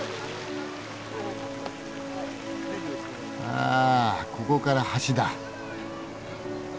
ああここから橋だ。